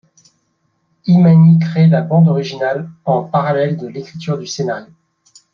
Imany crée la bande originale en parallèle de l'écriture du scénario.